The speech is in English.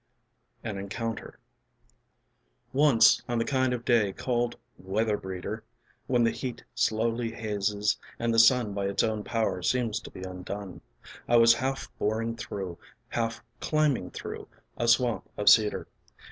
AN ENCOUNTER Once on the kind of day called "weather breeder," When the heat slowly hazes and the sun By its own power seems to be undone, I was half boring through, half climbing through A swamp of cedar.